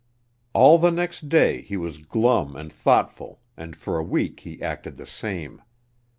All the next day he was glum and thoughtful and for a week he acted the same.